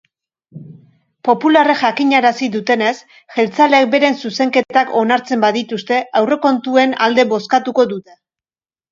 Popularrek jakinarazi dutenez, jeltzaleek beren zuzenketak onartzen badituzte aurrekontuen alde bozkatuko dute.